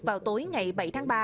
vào tối ngày bảy tháng ba